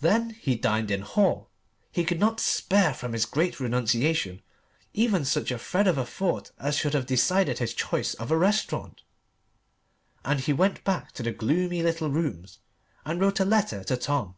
Then he dined in Hall he could not spare from his great renunciation even such a thread of a thought as should have decided his choice of a restaurant; and he went back to the gloomy little rooms and wrote a letter to Tom.